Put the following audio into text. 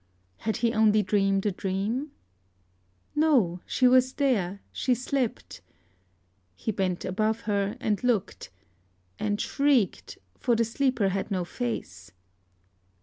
Had he only dreamed a dream? No: she was there; she slept.... He bent above her, and looked, and shrieked; for the sleeper had no face!...